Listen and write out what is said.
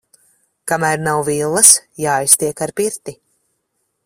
Kamēr nav villas, jāiztiek ar pirti.